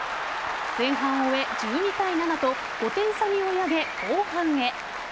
前半を終え１２対７と５点差に追い上げ後半へ。